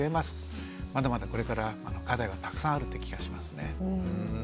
まだまだこれから課題はたくさんあるって気がしますね。